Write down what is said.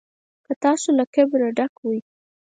که تاسو له کبره ډک وئ.